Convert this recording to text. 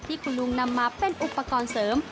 ที่คุณลุงนำมาเป็นอุปกรณ์เสริม